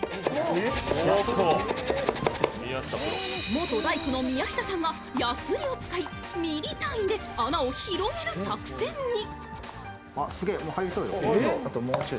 元大工の宮下さんがやすりを使い、ミリ単位で穴を広げる作戦に。